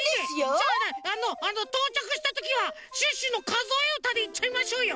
じゃあねあのとうちゃくしたときは「シュッシュのかぞえうた」でいっちゃいましょうよ。